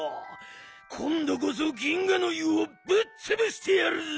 こんどこそ銀河の湯をぶっつぶしてやるぞ！